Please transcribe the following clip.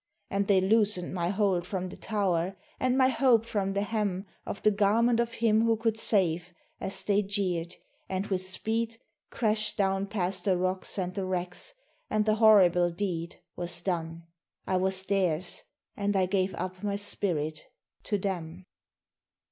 And they loosened my hold from the tower, and my hope from the hem Of the garment of Him who could save, as they jeered! and with speed Crashed down past the rocks and the wrecks; and the horrible deed Was done. I was theirs; and I gave up my spirit to them.